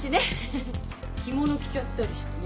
着物着ちゃったりして。